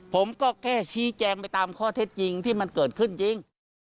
ผมก็แค่ชี้แจงไปตามข้อเท็จจริงที่มันเกิดขึ้นจริง